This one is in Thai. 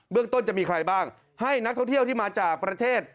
ต้นจะมีใครบ้างให้นักท่องเที่ยวที่มาจากประเทศ